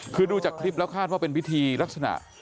คือดูจากคลิปแล้วคาดว่าเป็นพิธีลักษณะ